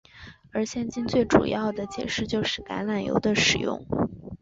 而现今最主要的解释就是橄榄油的使用。